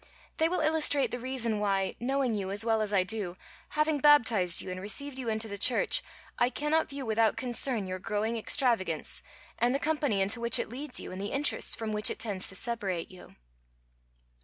They will illustrate the reason why, knowing you as well as I do, having baptized you and received you into the church, I cannot view without concern your growing extravagance, and the company into which it leads you, and the interests from which it tends to separate you.